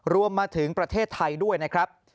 รวมถึงประเทศไทยด้วยนะครับ